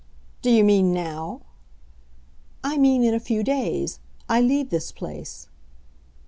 "Do you mean now?" "I mean in a few days. I leave this place."